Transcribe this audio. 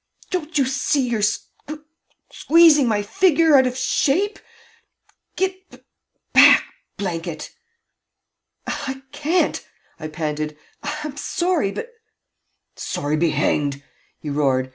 "Don't you see you are squ queezing my figure out of shape? Get bub back, blank it!" "I can't," I panted. "I'm sorry, but " "Sorry be hanged!" he roared.